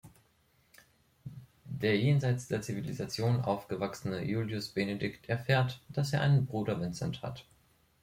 Der jenseits der Zivilisation aufgewachsene Julius Benedict erfährt, dass er einen Bruder Vincent hat.